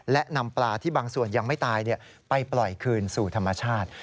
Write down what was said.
และนำปลาที่บางส่วนยังไม่ตายไปปล่อยคืนสู่ธรรมชาติ